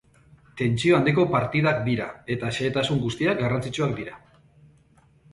Tentsio handiko partidak dira, eta xehetasun guztiak garrantzitsuak dira.